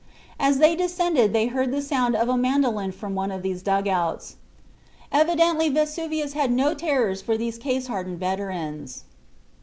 As they descended they heard the sound of a mandolin from one of these dugouts. Evidently Vesuvius had no terrors for these case hardened veterans.